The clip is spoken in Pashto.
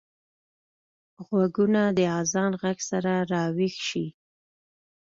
غوږونه د اذان غږ سره راويښ شي